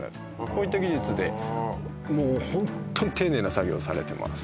こういった技術でもうホントに丁寧な作業されてます